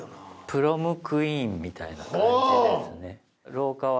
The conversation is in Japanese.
プロムクイーンみたいな感じですね。